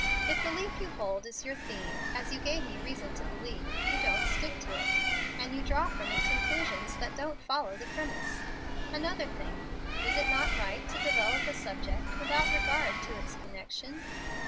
If the leaf you hold is your theme, as you gave me reason to believe, you don't stick to it, and you draw from it conclusions that don't follow the premise. Another thing, it is not right to develop a subject without regard to its connection.